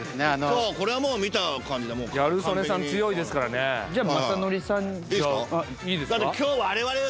そうこれはもうギャル曽根さん強いですからねじゃあ雅紀さんいいですか？